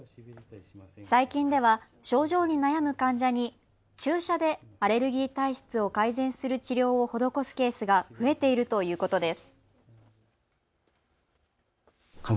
最近では症状に悩む患者に注射でアレルギー体質を改善する治療を施すケースが増えているということです。